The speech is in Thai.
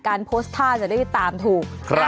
การโพสต์ท่าจะได้ตามถูก